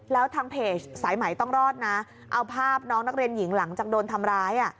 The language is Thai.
แล้วทางเพจสายใหม่ต้องรอดนะเอาภาพน้องนักเรียนหญิงหลังจากโดนทำร้าย